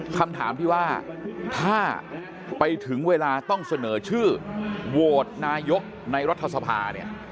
คำถามที่ว่าถ้าไปถึงเวลาต้องเสนอชื่อโหวตนายกในรัฐสภาเนี่ย